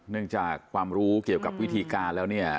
เนื่องจากความรู้เกี่ยวกับวิธีการแล้ว